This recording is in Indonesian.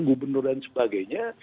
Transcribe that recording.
gubernur dan sebagainya